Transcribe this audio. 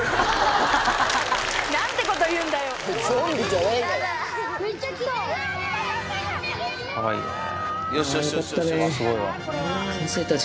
・何てこと言うんだよ・すごいわ。